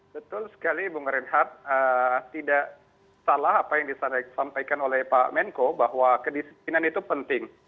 betul sekali bung reinhardt tidak salah apa yang disampaikan oleh pak menko bahwa kedisiplinan itu penting